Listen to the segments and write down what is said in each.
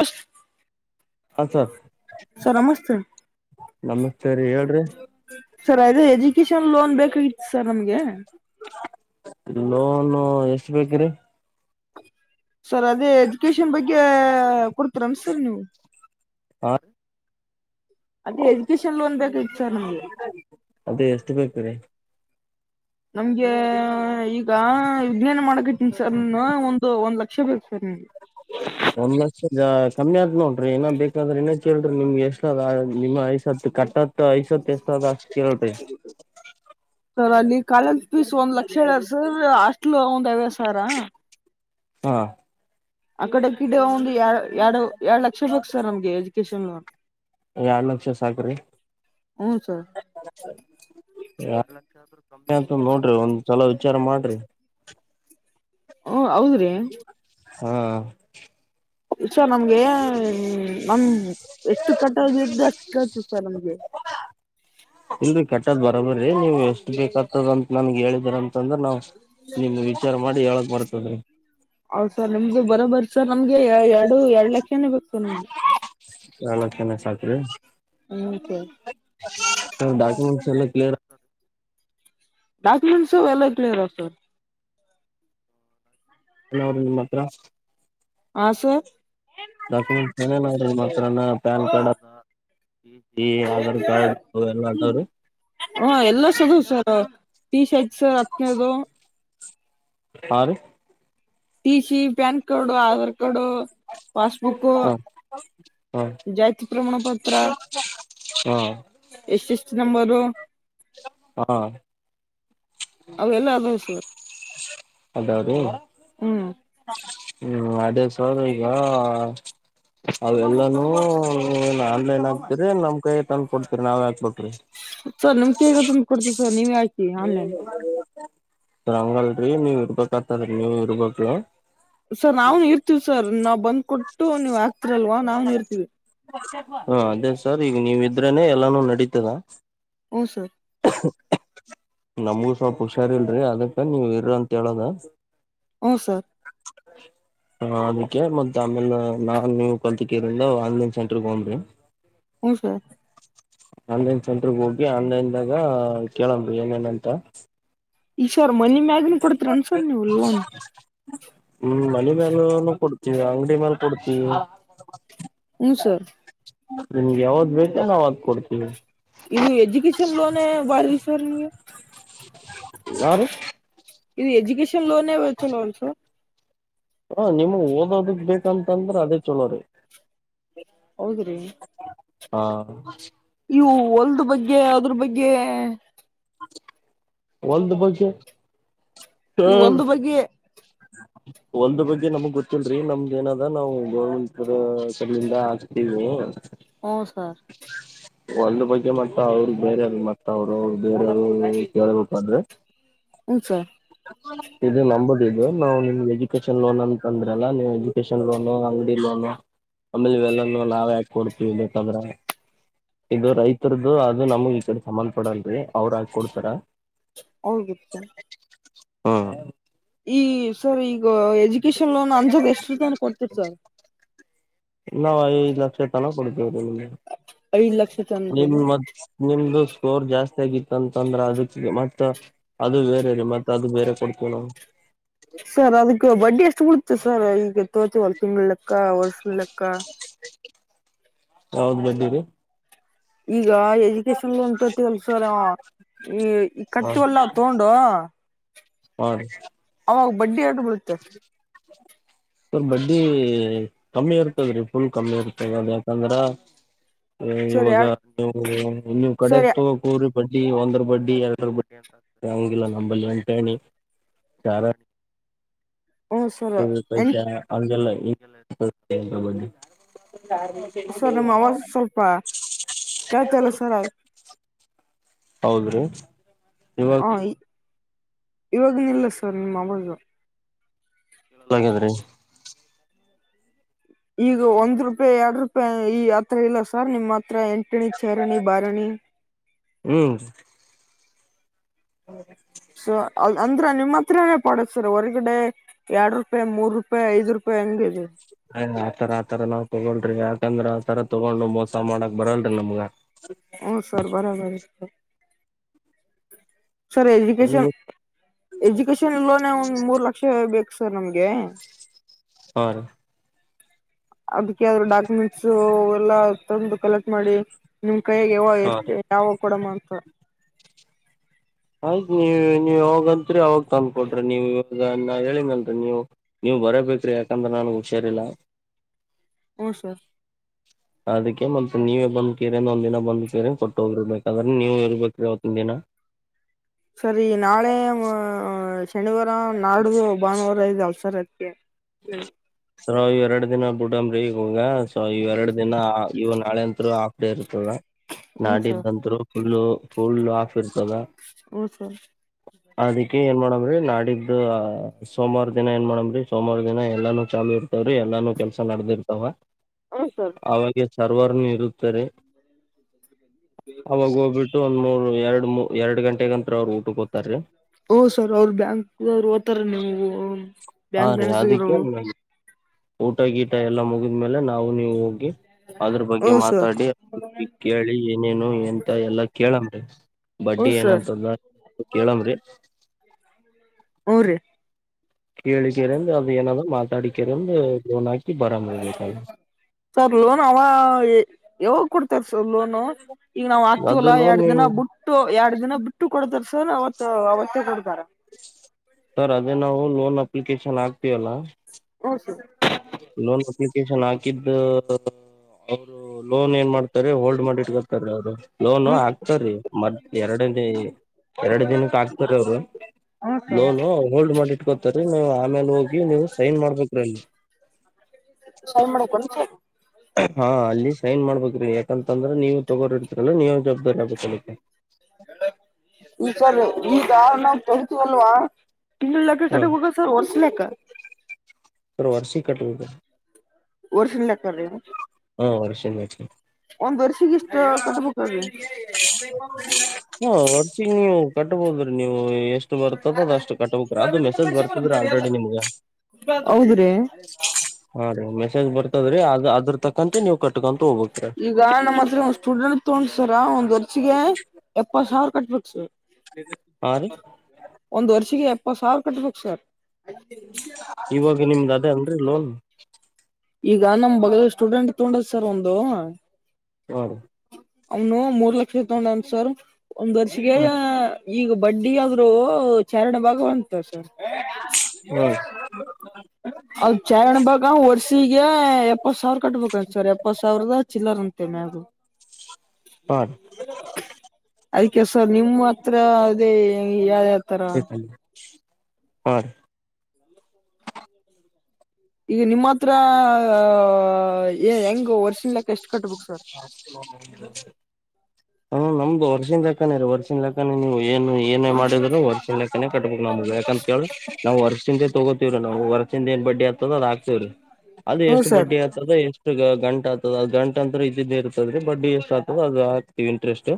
ಅಷ್ಟ ಅ sir. Sir ನಮಸ್ತೆ ನಮಸ್ತೆ ರೀ ಹೇಳ್ರಿ [unintelligible] ಸರ್ ಅದು ಎಜುಕೇಶನ್ ಲೋನ್ ಬೇಕಾಗಿತ್ತು ಸರ್ ನಮ್ಗೆ ಲೋನು ಎಷ್ಟ ಬೇಕಿರಿ ಸರ್ ಅದೇ ಎಜುಕೇಶನ್ ಬಗ್ಗೆ ಕೊಡ್ತರನ್ ಸರ್ ನೀವು ಹಾ ಅದೇ ಎಜುಕೇಶನ್ ಲೋನ್ ಬೇಕಾಗಿತ್ತು ಸರ್ ನಮ್ಗೆ ಅದೇ ಎಷ್ಟು ಬೇಕು ರೀ ನಮ್ಗೆ ಈಗ ಈಗ ವಿಜ್ಞಾನ ಮಾಡಕ್ ಇಟ್ಟನಿ ಸರ್ ನೀ ಒಂದು ಒಂದ್ ಲಕ್ಷ ಬೇಕು ಸರ್ ನಿನ್ಗೆ ಒಂದ್ ಲಕ್ಷ ಕಮ್ಮಿ ಆತ್ ನೋಡ್ರಿ ಏನ ಬೇಕಾದ್ರೆ ಇಏನ ಕೇಳ್ರಿ ನಿಮ್ಗೆ ಎಷ್ಟ ನಿಮ್ ಐಸ ಹತ್ ಕಟ್ಟತ್ ಸಐಸ ತೇಸಿ ತರಟ ಸರ್ ಅಲ್ಲಿ ಕಾಲೇಜ್ ಫೀಸ್ ಒಂದ್ ಲಕ್ಷ ಹೇಳಾರ ಸರ್ ಹಾಸ್ಟ್ಲ್ ಒಂದ್ ಐ್ಯ ಸರ ಹಾ ಅ ಕಡೆ ಕಿಡ ಒಂದು ಎ ಎರಡು ಎರಡು ಲಕ್ಷ ಬೇಕು ಸರ್ ನಮ್ಗೆ ಎಜುಕೇಶನ್ ಲೋನ್ ಎರ್ಡ್ ಲಕ್ಷ ಸಾಕ ರೀ ಹ್ಮ ಸರ್ ಸಮಯ ಅಂತ ನೋಡ್ರಿ ಒಂದು [unintelligible] ಚಲೋ ವಿಚಾರ ಮಾಡ್ರಿ ಹೂ ಹೌದ್ ರೀ ಹಾ ಸರ್ ನಮ್ಗೆ ನಮ ಎಷ್ಟು ಕಟ್ಟದ್ದು ಅಷ್ಟುಸರ್ ನಮ್ಗೆ ಇಲ್ರರಿ ಕಟ್ಟದ್ ಬರೋಬರ್ರೀ ನೀವು ಎಷ್ಟು ಬೇಕಾಗ್ತದ ಅಂತ ನನ್ಗೆ ಹೇಳಿದ್ರಂತ ತಂದ್ರೆ ನಾವು ನಿಮ್ ವಿಚಾರ ಮಾಡಿ ಹೇಳಕ್ ಬರ್ತದೇ ಹೌದ್ ಸರ್ ನಿಮ್ದು ಬರೋಬರಿ ಸರ್ ನಮ್ಗೆ ಎರಡು ಎರಡು ಲಕ್ಷನೇ ಬೇಕು ನಮಗೆ ಎರಡ್ ಲಕ್ಷನೇ ಸಾಕ್ರಿ ಹ್ಮ [unintelligible] ಚಲ್ಲ ಕ್ಲಿಯರ ಡಾಕೊಮೆಂಟ್ಸ ಎಲ್ಲ ಕ್ಲಿಯರ ಸರ್ ಎರು ನಿಮ್ಮ ಹತ್ರ ಹ ಸರ್ ಡಾಕ್ಯುಮೆಂಟ್ಸ್ ಏನೇನ ಮಾತ್ರನಾ ಪ್ಯಾನ್ ಕಾರ್ಡ್ ಅದ ಈ ಹ ಆಧಾರ್ ಕಾರ್ಡ್ ಅವೆಲ್ಲ ಅದಾವ್ರಿ [unintelligible] ಎಲ್ಲ ಸದು ಸರ್ ಟೀ ಶರ್ಟ್ ಸರ್ ಹತ್ತನೇದು ಹ ರೀ T C PAN card Aadhaar card passbook ಹಾ ಹಾ [unintelligible] ಜಾತಿ ಪ್ರಮಾಣ ಪತ್ರ ಹಾ [unintelligible] ಎಸ್ ಎಸ್ ನಂಬರು ಹಾ ಅವ ಎಲ್ಲ ಅದಾವ್ ಸರ್ ಅದ ಅದು ಹ್ಮ್ ಹ್ಮ್ ಅದೇದ ಸರ್ ಈಗ ಅವಲ್ಲಾನೂ ನ ಇದೇನಮ್ ಕೈ ತಂದ್ ಕೊಡ್ತೀರಿ ನಾವ್ ಹಾಕ್ಬಟ್ರಿ ಸರ್ ನಮ್ ಕೇಗ ಕೊಡ್ತೀ ಸರ್ ನೀವ ಆಕಿ ಆನ್ಲೈನ್ ಹಂಗಲ್ರರಿ ನೀವ್ ಇರ್ಬೇಕ ಆತದ್ರ ನೀವ ಇರ್ಬೇಕು ಸರ್ ನಾವು ಇರ್ತೀವ್ ಸರ್ ನಾವು ಬಂದ್ ಕೊಟ್ಟು ನೀವ್ ಹಾಕ್ತಿರಲ್ವಾ ನಾವು ಇರ್ತಿವಿ ಹ ಅದೇ ಸರ್ ಈಗ ನೀವಿದ್ರನೆ ಎಲ್ಲಾನು ನಡೀತಿದೆ ಹ್ಮ ಸರ್ ನಮ್ಗೂ ಸ್ವಲ್ಪ ಹುಷಾರ್ಲ್ರಿ ಅದಕ್ಕ ನೀವ ಇರ್ರಿ ಅಂತ ಹೇಳದ ಹು ಸರ್ ಹ ಅದಕ್ಕೆ ಮತ್ತ ಆಮೇಲೆ ನಾನ್ ನೀವ್ ಕಲ್ತಿಕರ್ ಆನ್ಲೈನ್ ಸೆಂಟರ್ಗ್ ಬಂದ್ರಿ ಹ್ಮ ಸರ್ ಆನ್ಲೈನ್ ಸೆಂಟರ್ಗ್ ಹೋಗಿ ಆನ್ಲೈನ್ದಾಗ ಕೇಳಂಬಿ ಏನೇನಂತ ಈಶ್ವರ್ ಮನ ಮ್ಯಾಗನ ಕೊಡ್ತರಿ ಅನ್ಸರ್ ನೀವು ಲೋನ್ ವಿ ಅಂಗಡಿ ಮೇಲ್ ಕೊಡ್ತೀವಿ ಹ್ಞೂ ಸರ್ ನಿಮಗೆ ಯಾವ್ದ್ ಬೇಕ ನಾವ್ದ್ ಕೊಡ್ತೀವಿ ಇದು ಎಜುಕೇಷನ್ ಲೋನ್ ಬಾರ ವಿಚಾರ ಗೆ [inaudible] ಯಾರ [unintelligible] ಇದು ಎಜುಕೇಶನ್ ಲೋನ ಚಲೋ ಅನ್ಸಲ್ವಾ ಹ ನಿಮಗ್ ಓದೋದಕ್ ಬೇಕಂತಂದ್ರೆ ಅದೇ ಚಲೋ ರಿ ಹೌದಿರಿ ಹಾ ನೀವು ಒಲ್ದ ಬಗ್ಗೆ ಅದ್ರ ಬಗ್ಗೆ ಒಲದು ಬಗ್ಗೆ ಈ ಒಂದು ಬಗ್ಗೆ ಒಂದು ಬಗ್ಗೆ ನಮಗ್ ಗೊತ್ತಿಲ್ರರಿ ನಮ್ದ ಏನದ ನಾವು ಗೋವಿಂದಪುರ ಕಡಿಯಿಂದ ಹಾಕ್ತೀವಿ ಹ್ಞೂ ಸರ್ ಒಂದು ಬಗ್ಗೆ ಮತ್ತ ಅವ್ರ ಬೇರೆೆಯ್ರ ಮತ್ತ ಅವ್ರು ಅವ ಬೇರೆಯವ್ರು ಕೇಳ್ಬೇಕಾದ್ರೆ ಹ್ಮ ಸರ್ ಇದು ನಮ್ಮ ದು ನಾವು ನಿಮ್ಗೆ ಎಜುಕೇಶನ್ ಲೋನ್ ಅಂತ ತಂದ್ರಲ್ಲ ನೀವು ಎಜುಕೇಶನ್ ಲೋನು ಅಂಗಡಿ ಲೋನು ಆಮೇಲೆವೆಲ್ಲ ನಾವೇ ಹಾಕಿ ಕೊಡ್ತೀವಿ ಬೇಕದ್ರ ಇದು ರೈತರದು ಅದು ನಮಗ್ ಈ ಕಡೆ ಸಂಬಂಧ ಪಡಲ್ರರಿ ಅವ್ರ ಹಾಕ ಕೊಡ್ತಾರ ಅವ ಗೋಸ್ಕರ ಹ್ಮ.. [unintelligible] ಈ, ಸರ್ ಈಗ ಎಜು. [inaudible] ಕಿಸಾನ್ಲೋಯನ್, ನಾಮ್, ಎಷ್ಟತಾನ ಕೊಡ್ತೀವಿ ಸರ್? [unintelligible] ನಾವು, ಐದು ಲಕ್ಷ ತನಕ ಕೊಡತೀವಿ. ಐದ್ ಲಕ್ಷ [unintelligible] ತನ್ರಿ ನಿಮ, ಮ, ನಿಮ್ದು. [unintelligible] ಸ್ಟೋರ್, ಜಾಸ್ತಿ ಆಗಿತ್ತ ಅಂತಂದ್ರೆ, ಅದಕ್ಕೆ ಮತ್ತ ಅದು ಬೇರೆ ಮತ್ತ ಅದು ಬೇರೆ ಕೊಡ್ತೇವಿ! ನಾವು. [unintelligible] ಸರ್, ಅದಕ್ಕೆ ಬಡ್ಡಿ ಎಷ್ಟು ಬಿಡು. [inaudible] ಸರ್, ಇವಾಗ, ದೋಚುವಳಿ. [inaudible] ತಿಂಗಳು, ಲೆಕ್ಕ, ವರ್ಷ, ಲೆಕ್ಕ. [inaudible] ಯಾವದ್, ಬಂದಿದೆ. [inaudible] ಈಗ ಎಜುಕೇಶನ್ ಲೋನ್ ತರುತ್ಜಿವಿಯಲ್ಲ ಸರ್ ಈ ಈ ಕಟ್ತಿವಲ್ಲ ತಗೊಂಡು. [inaudible] ಹ, ರೀ. [inaudible] ನಾವು, ಬಡ್ಡಿ. [inaudible] ಹ್ಮ್, ಬರುತ್ತೆ. [inaudible] ರ್ ಬಡ್ಡಿ ಕಮ್ಮಿ ಇರ್ತದ್ರಿ ಫುಲ್ ಕಮ್ಮಿ ಇರ್ತದ ಅದ ಯಾಕಂದ್ರ ಸರ್ ಇವಾಗ ಯಾ ನೀವು, ನೀವು ಸರ್ ಕಡೆಕ್ ತಗೋಕೋಗರಿ., ಬಡ್ಡಿ ಒಂದರ ಬಡ್ಡಿ ಎರಡರ ಬಡ್ಡಿ ಅಂತ ಹಂಗಿಲ್ಲ ನಂಬಲ್ಲಿ ಗಂಟೆಚಾರ ಹ್ಮ ಸರ್ ಎನ್ ಪೈಸ ಅಂದಲ್ಲ ಈಗೆಲ್ಲ ಬ ಸರ್ ನಮ್ಮ ಆಜ ಸ್ವಲ್ಪ ಕೆಳ್ತಲ್ಲ ಸರ್ ಹೌದ್ರೀ ಹ್ ಇವಾಗನ ಇಲ್ಲ ಸರ್ ನಿಮ್ಮ್ ಆವಾಜ ಎ ಹಾಗಾದ್ರಿ ಈಗ ಒಂದ್ ರೂಪಾಯಿ ಎರಡು ರೂಪಾಯಿ ಈ ಹತ್ರ ಇಲ್ಲ ಸರ್ ನಿಮ್ಮ್ ಮಾತ್ರ ಎಂಟಣ ಚರನ ಬಾರಣ ಹೌದ ಸೊ ಅ ಅಂದ್ರ ನಿಮ್ಮ್ ಹತ್ರನೇ ಪಡದ ಸರ್ ಹೊರ್ಗಡೆ ಎರಡ್ ರೂಪಾಯಿ ಮೂರು ರೂಪಾಯಿ ಐದು ರೂಪಾಯಿ ಹೆಂಗದೆ ಅಯ ಆತರ ಆತರ ನಾವ್ ತಗೊಳ್ರಿ ಯಾಕಂದ್ರ ಆತರ ತಗೊಂಡ್ ಮೋಸ ಮಾಡಕ್ ಬರಲ್ರರಿ ನಮ್ಗ ಹೂ ಸರ್ ಬರಬರಿ sir [inaudible] sir education education loan ಒಂದ ಮೂರು ಲಕ್ಷ ಬೇಕ ಸರ್ ನಮ್ಗೆ ಸೋರಿ ಅದಕ್ಕೆ ಡಾಕ್ಯುಮೆಂಟ್ಸ್ ಎಲ್ಲ ತಂದು ಕಲೆ ಮಾಡಿವಿ ನಿಮ್ ಕೈಯಾಗ ಯಾವೋ ಹಾ ಎಷ್ಟು ಯಾವೋ ಕೂಡ ಮಾಡ ತ್ತ ನೀ ನೀವ ಹೋಗಂತ್ರಿ ಅವಾಗ ತಂದ್ ಕೊಡ್ರಿ ನೀವು ಇವಾಗ ಹೇಳ ಮಲ್ರಿ ನೀವು ನೀವ್ ಬರಬೇಕ್ರಿ ಯಾಕಂದ್ರ ನನ್ಗ್ ಹುಷಾರಿಲ್ಲ ಹಓ ಸರ್ ಅದಕ್ಕೆ ಮತ್ತೆ ನೀವೇ ಬಂದ್ ಕೀರಿಂದ ಒಂದ್ ದಿನ ಬಂದ್ಕೀರಿ ಕೊಟ್ಟ ಹೋಗಿರ್ಬೇಕ ಅದ್ರೆ ನೀವ ಇರ್ಬೇಕ್ರಿ ಹೊತ್ತಿನ ದಿನ ಸರಿ ನಾಳೆ ಹಣ ನಾಡ್ದು ಭ ಬಾನುವಾರ ಐ್ ಅಲ್ಸರ್ ಐತ ೆ ಸ್ಮರಿ [inaudible] ಸ ಈ ಎರಡ್ ದಿನ ಬಿಟಂಬ್ರಿ ಈಗಗ ಸೊ ಇವ್ರಡ್ ದಿನ ಇವವು ನಾಳೆ ಅಂತತ್ ಹಾಫ್ ಡೇೀ ಹ್ಞೂ ಸರ್ ನಾಡಿದ್ದಂರು ಫುಲ್ಲು ಫುಲ್, ಆಫ್ ಇರ್ತದ. ಹ್ಞೂ ಸರ್ [inaudible] ಅದಕ್ಕೆ, ಏನು, ಮಾಡೋದು? [inaudible] ರಿ, ನಾಲಿಧು, ಸೋಮವಾರ ದಿನ ಏನ್ ಮಾಡಮ್ರೀ, ಸೋಮವಾರ? [inaudible] ದಿನ, ಎಲ್ಲಾನು ಚಾಲೂ, ಇರ್ತವ್ರೀ ಎಲ್ಲಾನು ಕೆಲ್ಸ ನಡೆದಿರ್ತಾವ? [inaudible] ಹಾ, ಸರ್. [inaudible] ಸರ್ವರ್ನ, ಇರುತ್ತೆ, ರಿ. [inaudible] ಅವಾಗ, ಹೋಗ್ಬಿಟ್ಟು, ಒಂದು, ಮೂರು. [inaudible] ಎರಡು ಮೂ, ಎರಡ್ ಗಂಟೆಗಂತ್ರ ಅವ್ ಊಟಕ್ಕೆ ಹೋತಾರೀ. [inaudible] ಹ್ಮ್ಮ್, ಸರ್, ಅವ್ರ ಬ್ಯಾಂಕ್ ಅವ್ರು, ಹೋಗುತ್ತಾರೆ, ನೀವು. [inaudible] ಹಾ, ರೀ, ಮ್ಯಾನೇಜರ್ ಅದಕ್ಕೆ. ಅವರು [unintelligible] ಊಟ, ಗೀಟ ಎಲ್ಲಾ ಮುಗಿದ್ಮೇಲೆ ನಾವು ನೀವು ಹೋಗಿ. [inaudible] ಅದ್ರ, ಬಗ್ಗೆ ಹ್ಞೂ ಸರ್ ಮಾತಾಡಿ ಕೇಳಿ, ಏನೇನು ಎಂತ ಎಲ್ಲಾ ಕೇಳಮ್ರಿ ಹ್ಞೂ ಬಡ್ಡಿ ಸರ್ ಏನಂತದ ಕೆಳಮರಿ. [inaudible] ಹ್ಮ್, ರಿ. [inaudible] ಕೇಳಿಕರಂದು, ಏನು, ಅದು, ಮಾತಾಡಿಕ್ರಂದು ಲೋನ್ ಹಕಿ. ಸ, ಲೋನ್ ಹ, ಏ [unintelligible] ಯಾವಾಗ, ಕೊಡ್ತಾರೆ, ಸರ್ ಲೋನು? [unintelligible] ಈಗ ನಾವು ಅದು ಆಗ್ತಿವಲ್ಲಾ! ಲೋನ್ ಎರಡ್ ದಿನ ಬಿುಟ್ಟು ಎರಡ್ ದಿನ ಬಿಟ್ಟು ಕೊಡುತ್ತಾರೆ, ಸಾರ್. [inaudible] ಸರ್, ಅದೇ ನಾವು, ಲೋನ್. [unintelligible] ಅಪ್ಲಿಕೇಶನ್, ಆಗ್ತೀವಲ್ಲಾ?. [inaudible] [unintelligible] [inaudible] ಲೋನ್ ಅಪ್ಲಿಕೇಶನ್ ಹಾಕಿದ್ದ ಅವರು. ಲೋನ್ ಏನ್ ಮಾಡ್ತಾರೆ ಹೋಲ್ಡ್ ಮಾಡಿ ಇಟ್ಕತಾರ ಅವರು ಲೋನ್ ಹ್ಮ ಹಾಕ್ತಾರಿ. ಎರಡ ಎರಡು ದಿನಕ್ಕೆ ಆಗ್ತಾರ ಅವರು ಹ್ಮ ಸರ್ ಲೋನು ಹೋಲ್ಡ್ ಮಾಡಿಟ್ಕೊತರಿ ನೀ ಆಮೇಲೆ ಹೋಗಿ ನೀವು ಸೈನ್ ಮಾಡ್ಬೇಕ್ರೀ ಅಲ್ಲಿ. ಸೈ ಮಾಡ ಕೊಂತ ಹಾ ಅಲ್ಲಿ ಸೈನ್ ಮಾಡ್ಬೇಕ್ರಿ ಯಾಕಂತಂದ್ರೆ ನೀವು ತಗೋರಿರ್ತರಲ್ಲ ನೀವ ಜವಾಬ್ದಾರಿ ಆಗ್ಬೇಕ ಅದಕ್ಕೆ [unintelligible] ವಾ ತಿಂಗಳು ಹಾ ಲೆ ಹೋಗ ಸರ್ ವರ್ಷ ಲೆಕ್ಕ ಸ ವರ್ಷಿ ಕಟ್ಟಬೇಕ [unintelligible] ಹೌ ಒಂದ ವರ್ಸ [unintelligible] ಕಟ್ಬೋದ್ರೀ ನೀವು ಎಷ್ಟು ಬರ್ತದ ಅಷ್ಟು ಕಟ್ಟಬೇಕ್ರಿ ಅದು ಮೆಸೇಜ್ ಬರ್ತಾದ್ರಿ ಆಲ್ರೆಡಿ ನಿಮ್ಗ ಹೌದ್ರಿ ಆ ರಿ ಮೆಸೇಜ್. ಮೆಸೇಜ್ ಬರ್ತದ್ರೀ ಅ ಅದ್ರ ತಕ್ಕಂತಂತೆ ನೀವು ಕಟ್ಕೊ ಈಗ ನಮ್ಮ ಹತ್ರ. ಚೂಡಣ ತೋ--ಡ್ಸರ ಒಂದ್ ಗೆ ಎಪ್ಪತ್ ಸಾವ್ರ ಕಟ್ಟುವ ಸರ್. ಹಾ ರೀ ಒಂದು ವರ್ಷಿಗೆ ಕಟ್ಬೇಕು ಸರ್ ಇವಾಗ ನಿಮ್ದ್ ಅದೇ ಅನ್ರಿ ಲೋನ್. [unintelligible] ಈಗ ನಮ್ ಬಗದ ಸ್ಟೂಡೆಂಟ್ ತೊಂಡದ ಸರ್ ಒಂದು. ಹ. ಅವ್ನು ಮೂರ್ ಲಕ್ಷ ಇತೊಂಡನ್ಸರ್ ಒಂದು ವರ್ಷಿಗೆ. ಈಗ ಬಡ್ಡಿ ಆದ್ರೂ ಚಾರಣ ಭಾಗವಂತ. ಹಾ ರೀ ಚಾರಣ ಬಾಗ ವರ್ಷ ಎಪ್ಪತ್ ಸಾವಿರ ಕಟ್ಬೇಕ ಸರ್ ಎಪ್ಪತ್ ಸಾವಿರದ ಚಿಲ್ಲರ್ ಅಂತೆೇ ಮು ಹಾ ಅದ ಕೆಸ ನಿಮ್ಮತ್ ಹತ್ರ ಅದೇ ಯಾವ ಯಾವತರ. ಹ ಈಗ ನಿಮ್ಮ ಹತ್ರ ಹೇ ಹೆಂಗ ವರ್ಷನ್ ಲೆಕ್ಕ ಎಷ್ಟ ಕಟ್ಬೇಕ ಸರ್? ಹ ನಮ್ದು ವರ್ಷದ ಲೆಕ್ಕಾನೇ ರೀ ವರ್ಷದ ಲೆಕ್ಕಾನೇ ನೀವು ಏನು ಏನೇ ಮಾಡಿದ್ರು ವರ್ಷನ್ ಲೆಕ್ಕನೆ ಕಟ್ಬೇಕು ನಮ್ಗ ಯಾಕಂತ ಕೇಳ್ ನಾವು ವರ್ಷಿಂದ ತಗೋತಿವ ರಿ ನಾವು ವರ್ಸಿಂದ ಏನ್ ಬಡ್ಡಿ ಆಗ್ತದ ಅದ ಹಾಕ್ತೀವ್ ರಿ. ಅದು ಹ್ಮ್ ಎಷ್ಟು ಸರ್ ಬಡ್ಡಿ ಆಗ್ತದ ಎಷ್ಟ ಈಗ ಗಂಟ ಆತದ ಅದ ಗಂಟ ಅಂದ್ರ ಇದಿದ್ದೆ ಇರ್ತದ ರೀ ಬಡ್ಡಿ ಎಷ್ಟ ಆತದ ಅದು ಇಂಟ್ರೆಸ್ಟ್.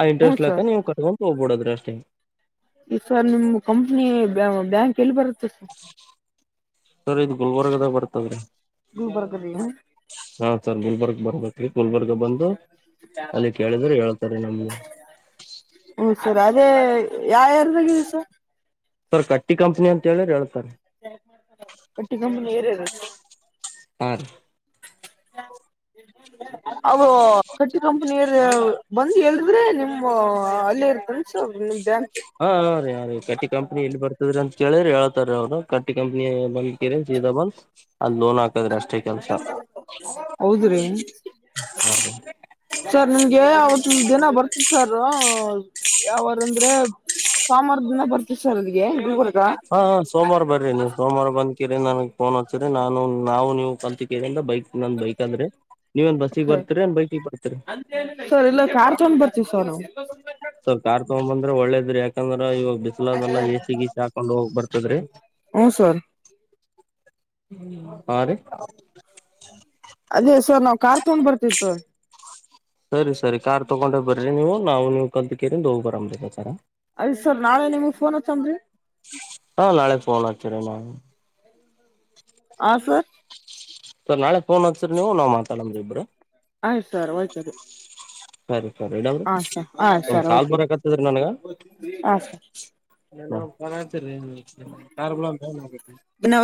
ಆ ಹ್ಮ್ ಇಂಟ್ರೆಸ್ಟ್ ಲೆಕ್ಕ ಸರ್ ನೀವ ಕಟ್ಕೊಂಡ ಹೋಗ್ಬಿಡದ್ರಿ ಅಷ್ಟೇ. ಈ ಸರ್ ನಿಮ್ ಕಂಪ್ನಿ ಬ್ಯಾಂಕ್ ಎಲ್ಲಿ ಬರತ್ತೆ? ಹ ಸರಿ ಇದು ಗುಲ್ಬರ್ಗದಾಗ ಬರ್ತದ್ರಿ. ಹಾ ಸರ್ ಗುಲ್ಬರ್ಗ ಬರ್ಬೇಕ್ರಿ ಬಂದು ಅಲ್ಲಿ ಕೇಳಿದ್ರೆ ಹೇಳ್ತಾರೆ ನಮ್ಗೆ ಹ ಸರಿ ಅದೇ ಯಾವ ಯ ಬಿದಸ ಸರ್ ಕಟ್ಟಿ ಕಂಪ್ನಿ ಅಂತ ಹೇಳ್ರ ಹೇಳ್ತರ್ ಪಟ್ಟಿ ಕಂಬ ರ ಹಾ ರೀ ಹಾ ಅ ಕಟ್ಟಿ ಕಂಪನಿಯ ಬಂದು ಹೇಳದ್ರೆ ನಿಮ್ಮ ಅಲ್ಲಿ ಇರ್ತನ್ ಸೌ ನಿಂದ ಹಾ ನಾ ರೀ ಯ ರೀ ಕಟ್ಟಿ ಕಂಪ್ನಿ ಎಲ್ಲಿ ಬರ್ತದ್ರಿ ಅಂತ ಕೇಳಿ್ರಿ ಹೇಳ್ತಾರ ಅವ್ರು ಕಟ್ಟಿ ಕಂಪ್ನಿ ಬ ಕರಣ ಬಲ್ಸ್ ಹೌದ್ರಿ ಸರ್ ನಿಮ್ಗೆ ಅವತ್ ದಿನ ಬರ್ತ ಸರ್ ಯಾವಾರಂದ್ರೆ. ಸೋಮಾರ ದಿನ ಬರ್ತೀ ಹಾ ಸೋಮವಾರ ಬರ್ರಿ ನೀ ಸೋಮವಾರ ಬಂದಕಿರಿ ನನ್ಗ್ ಫೋನ್ ನಾನು ನಾವು ನೀವು ಕಲ್ತ್ರಿಂದ ಬೈಕ್ ನಂದ ಬೈಕ್, ಆದ್ರೆ ನೀವ ಒಂದ ಬಸ್ಸಿಗೆ ಬರ್ತೀರಿ ಒಂದ ಬೈಕಿಗೆ ಬರ್ತರಿ, ಸರ್ ಇಲ್ಲ ಕಾರ್ ತಗೊಂಡ್ ಬರ್ತೀವಿ ಸರ್ ನಾವು ಸ್ವಲ್ಪ ಕಾರ್ ತಗ್ ಬಂದ್ರೆ ಒಳ್ಳೇದ. [inaudible] ಯಾಕಂದ್ರ ಇವಾಗ ಬಿಸಲದೆೆಲ್ಲ ಹಾಕೊಂಡ ಹೋಗರ್ ಚದ್ರಿ ಹ ಸರ್ ಹ ರೀ ಅದೇ ಸರ್ ನಾವ್ ಕಾರ್ ತಗೊಂಡ್ ಬರ್ತಿತ್ತು. ಸರಿ ಸರಿ ಕಾರ್ ತೊಗೊಂಡೆ ಬರ್ರಿ ನೀವು ನಾವು ನೀವು ಕಲ್ ಕರಿಂದು ಹೋಗಿ ಬರಬೇಕ ಸರ ಯ್ ಸರ್ ನಾಳೆ ನಿಮ್ಗ್ ಫೋನ್ ಹತ್ತನ್ ಹಾ ನಾಳೆೆಗೆ ಫೋನ್ ಹಾಗ್ತೀರ ನಾವು. ಹ ಸರ್ ಸರ್ ನಾಳೆ ಫೋನ್ ಹೋಗ್ಸಿ ನೀವು ನಾ ಮಾತಾಡಮ್ರರಿ ಇಬ್ಬರು. ಆಯ್ತು ಸರ್ ಹಯ್ತದೆ. ಸರಿ ಸರಿ ಇಡಮ್ರಿ ಹ ಸ ಹ ಒಂದ್ ಸರ್ ಕಾಲ್ ರಿ ಬರಕತ್ತದ್ರಿ ಆ ಸ [unintelligible] ಕಾರ್ [unintelligible] ಧನ್ಯವಾದ [unintelligible]